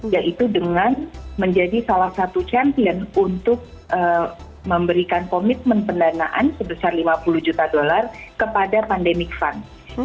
yaitu dengan menjadi salah satu champion untuk memberikan komitmen pendanaan sebesar lima puluh juta dolar kepada pandemic fund